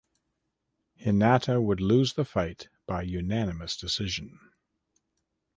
Hinata would lose the fight by unanimous decision.